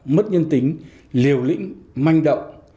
mất nhân tính liều lĩnh manh động